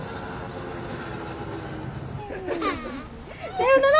さよなら！